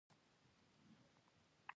چینايي بزګران عصري ماشینونه کاروي.